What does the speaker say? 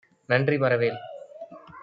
நன்றி மறவேல்.